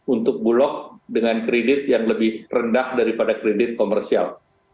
untuk bulog dengan kredit yang lebih rendah daripada kredit komersial